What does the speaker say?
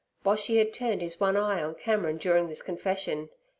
Boshy had turned his one eye on Cameron during this confession.